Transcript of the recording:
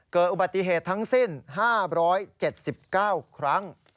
เกิดอุบัติเหตุทั้งสิ้น๕๗๙ครั้ง